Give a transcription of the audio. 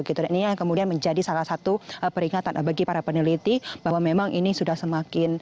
ini yang kemudian menjadi salah satu peringatan bagi para peneliti bahwa memang ini sudah semakin